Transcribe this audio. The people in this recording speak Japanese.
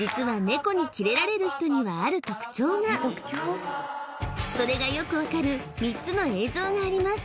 実はそれがよくわかる３つの映像があります